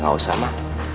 gak usah mak